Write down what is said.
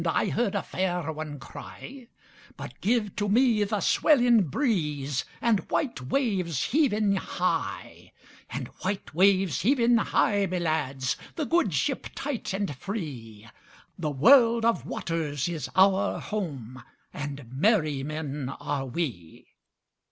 I heard a fair one cry:But give to me the snoring breezeAnd white waves heaving high; And white waves heaving high, my lads, The good ship tight and free—The world of waters is our home, And merry men are we.